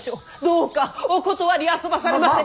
どうかお断りあそばされませ！